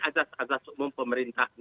azas azas umum pemerintah